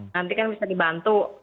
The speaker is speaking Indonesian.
nanti kan bisa dibantu